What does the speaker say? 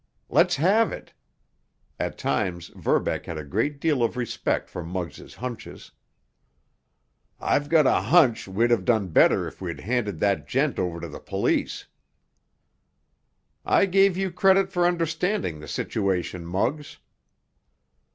"Let's have it!" At times Verbeck had a great deal of respect for Muggs' hunches. "I've got a hunch we'd have done better if we'd handed that gent over to the police." "I gave you credit for understanding the situation, Muggs."